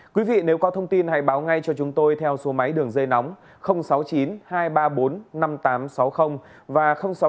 quý vị nếu có thông tin hãy báo ngay cho chúng tôi theo số máy đường dây nóng sáu mươi chín hai trăm ba mươi bốn năm nghìn tám trăm sáu mươi và sáu mươi chín hai trăm ba mươi hai một nghìn sáu trăm sáu mươi bảy